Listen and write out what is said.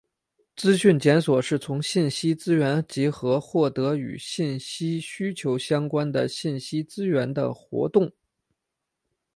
资讯检索是从信息资源集合获得与信息需求相关的信息资源的活动。